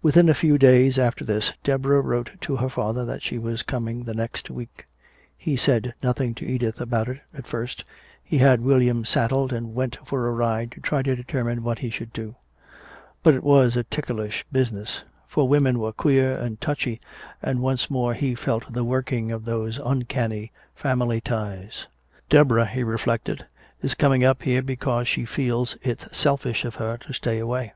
Within a few days after this Deborah wrote to her father that she was coming the next week. He said nothing to Edith about it at first, he had William saddled and went for a ride to try to determine what he should do. But it was a ticklish business. For women were queer and touchy, and once more he felt the working of those uncanny family ties. "Deborah," he reflected, "is coming up here because she feels it's selfish of her to stay away.